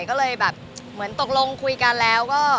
ก็เลยแบบเหมือนตกลงคุยกันแล้วก็